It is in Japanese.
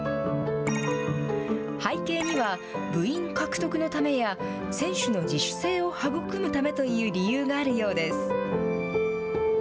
背景には、部員獲得のためや選手の自主性を育むためという理由があるようです。